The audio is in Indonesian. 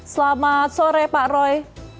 selamat sore pak roy